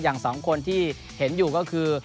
อย่างสองคนที่เห็นอยู่ก็คือ